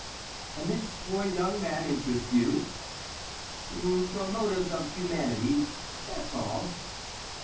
"And this poor young man interests you?" "From motives of humanity—that's all."